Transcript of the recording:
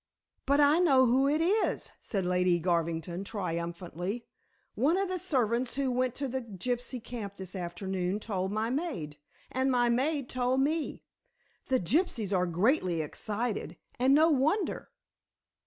"But I know who it is," said Lady Garvington triumphantly. "One of the servants who went to the gypsy camp this afternoon told my maid, and my maid told me. The gypsies are greatly excited, and no wonder."